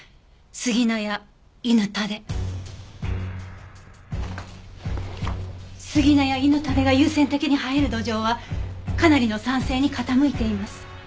スギナやイヌタデが優先的に生える土壌はかなりの酸性に傾いています。